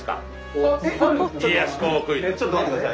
えちょっと待ってください。